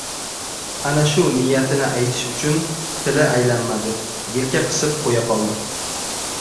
Ana shu niyatini aytish uchun tili aylanmadi, yelka qisib qo‘ya qoldi.